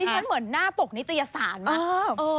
ฉันเหมือนหน้าปกนิตยสารมาก